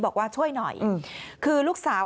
บอกว่าช่วยหน่อยคือลูกสาว